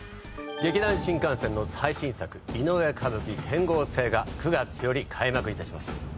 劇団☆新感線の最新作いのうえ歌舞伎『天號星』が９月より開幕致します。